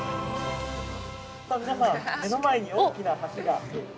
◆さあ、皆さん目の前に大きな橋が。